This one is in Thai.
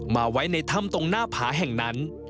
มาไว้ในถ้ำตรงหน้าผาแห่งนั้น